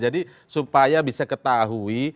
jadi supaya bisa ketahui